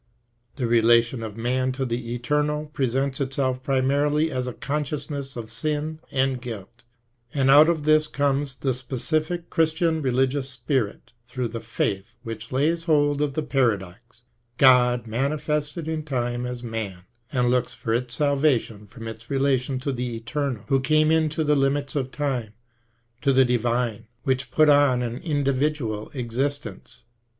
The relation of man to the eternal presents itself primarily as a consciousness of sin and guilt ; and out of this comes the specific Christian religious spirit through the faith which lays hold of the paradox, " God mani fested in time as man," and looks for its salvation from its relation to the eternal, who came into the limits of time, to the divine which put on an individual existence.